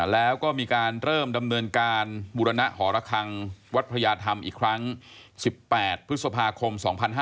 แล้วก็มีการเริ่มดำเนินการบุรณหอระคังวัดพระยาธรรมอีกครั้ง๑๘พฤษภาคม๒๕๕๙